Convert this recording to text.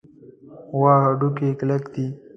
د غوا هډوکي کلک دي.